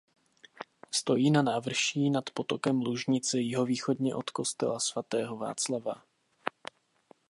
Stojí na návrší nad potokem Lužnice jihovýchodně od kostela svatého Václava.